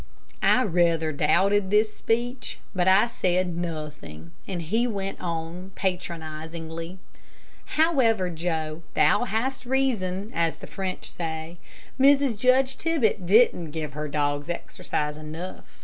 I rather doubted this speech; but I said nothing, and he went on, patronizingly: "However, Joe, thou hast reason, as the French say. Mrs. Judge Tibbett 'didn't' give her dogs exercise enough.